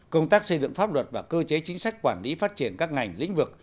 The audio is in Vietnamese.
công tác xây dựng pháp luật và cơ chế chính sách quản lý phát triển các ngành lĩnh vực